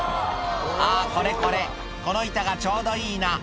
ああ、これこれ、この板がちょうどいいな。